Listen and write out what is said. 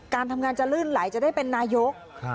การทำงานจะลื่นไหลจะได้เป็นนายก